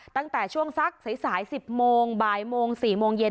ตั้งแต่ช่วงสักสาย๑๐โมงบ่ายโมง๔โมงเย็น